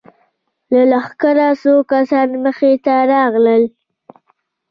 له لښکره څو کسان مخې ته راغلل.